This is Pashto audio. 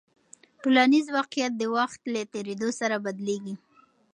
ټولنیز واقیعت د وخت له تېرېدو سره بدلېږي.